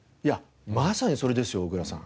まさにそれですよ小倉さん。